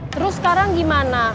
terus sekarang gimana